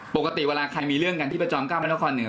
ปกติเวลาใครมีเรื่องกันที่ประจอม๙พระนครเหนือ